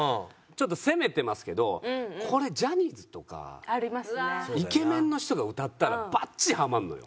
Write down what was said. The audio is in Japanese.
ちょっと攻めてますけどこれジャニーズとかイケメンの人が歌ったらバッチリハマるのよ。